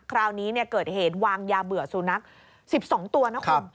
คราวนี้เกิดเหตุวางยาเบื่อสุนัข๑๒ตัวนะคุณ